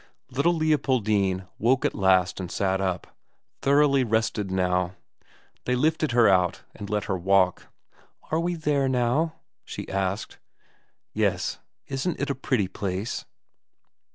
Little Leopoldine woke at last and sat up, thoroughly rested now; they lifted her out and let her walk. "Are we there now?" she asked. "Yes. Isn't it a pretty place?"